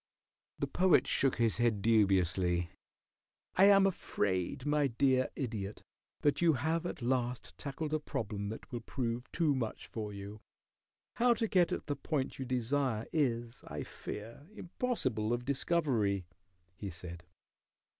The Poet shook his head dubiously. "I am afraid, my dear Idiot, that you have at last tackled a problem that will prove too much for you. How to get at the point you desire is, I fear, impossible of discovery," he said.